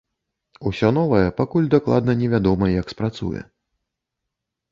Усё новае пакуль дакладна не вядома, як спрацуе.